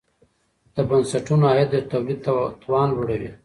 د بنسټونو عاید د تولید توان لوړوي.